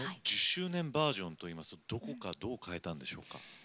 １０周年バージョンってどこをどう変えたんでしょうか？